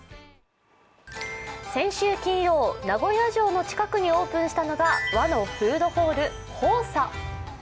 先週金曜、名古屋城の近くにオープンしたのが和のフードホール、蓬左。